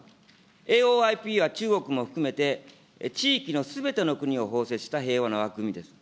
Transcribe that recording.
ＡＯＩＰは中国も含めて地域のすべての国を包摂した平和の枠組みです。